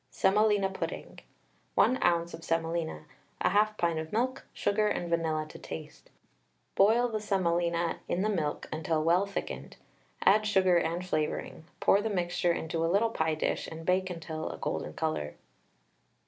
SEMOLINA PUDDING. 1 oz. of semolina, 1/2 pint of milk, sugar and vanilla to taste. Boil the semolina in the milk until well thickened, add sugar and flavouring, pour the mixture into a little pie dish, and bake until a golden colour.